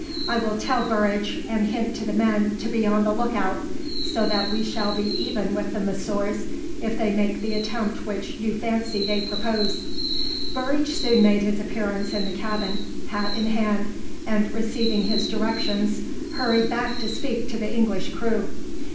I will tell Burridge, and hint to the men to be on the look out, so that we shall be even with the Monsieurs if they make the attempt which you fancy they purpose." Burridge soon made his appearance in the cabin, hat in hand, and receiving his directions hurried back to speak to the English crew.